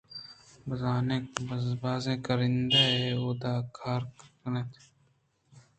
بازیں کارندہے اودا کا ر کنت